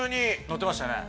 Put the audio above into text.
乗ってましたね。